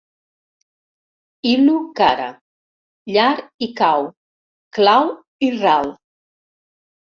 Il·lu cara— llar i cau, clau i ral.